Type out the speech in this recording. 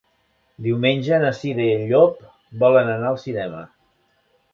Diumenge na Cira i en Llop volen anar al cinema.